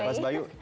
oke mas bayu